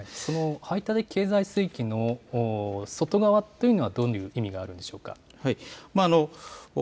排他的経済水域の外側というのはどういう意味があるんでしょうか。